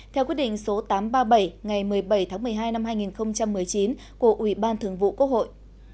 theo quyết định số tám trăm ba mươi bảy ngày một mươi bảy tháng một mươi hai năm hai nghìn một mươi chín của ủy ban thường vụ quốc hội